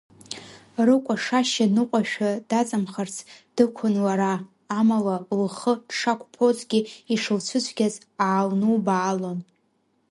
Рыкәашашьа ныҟәашәа даҵамхарц, дықәын лара, амала, лхы дшақәԥозгьы, ишылцәыцәгьаз аалнубаалон.